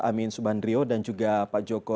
amin subandrio dan juga pak joko